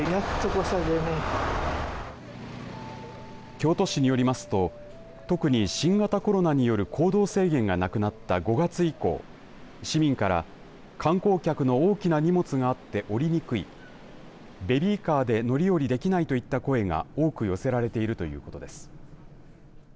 京都市によりますと特に新型コロナによる行動制限がなくなった５月以降市民から、観光客の大きな荷物があって降りにくいベビーカーで乗り降りできないといった声が多く寄せられているということです。